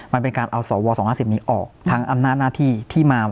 มันเป็นการเอาสว๒๕๐นี้ออกทั้งอำนาจหน้าที่ที่มา